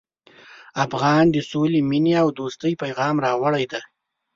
افغان د سولې، مینې او دوستۍ پیغام راوړی دی.